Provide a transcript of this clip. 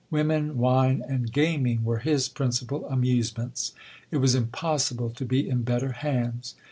Women, wine, and gaming, were his principal amusements. It was impossible to be in better hands.